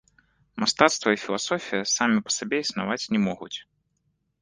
Мастацтва і філасофія самі па сабе існаваць не могуць.